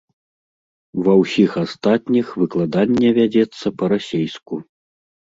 Ва ўсіх астатніх выкладанне вядзецца па-расейску.